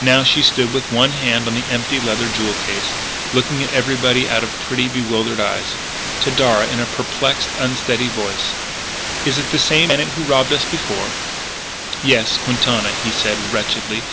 Now she stood with one hand on the empty leather jewel case, looking at everybody out of pretty, bewildered eyes. To Darragh, in a perplexed, unsteady voice: "Is it the same bandit who robbed us before?" "Yes; Quintana," he said wretchedly.